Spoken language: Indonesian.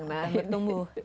betul akan bertumbuh